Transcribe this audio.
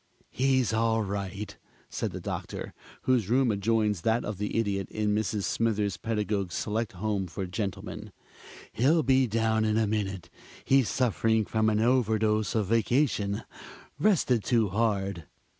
"He's all right," said the Doctor, whose room adjoins that of the Idiot in Mrs. Smithers Pedagog's Select Home for Gentlemen. "He'll be down in a minute. He's suffering from an overdose of vacation rested too hard."